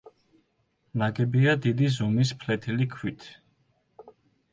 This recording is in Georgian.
ნაგებია დიდი ზომის ფლეთილი ქვით.